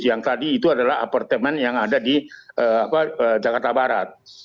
yang tadi itu adalah apartemen yang ada di jakarta barat